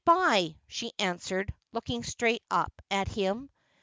355 ' G ood bye,' she answered, looking straight up at him.